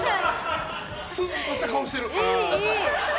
すんとした顔してる。